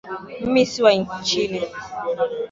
Mimi si wa chini.